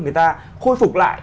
người ta khôi phục lại